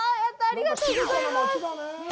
ありがとうございます！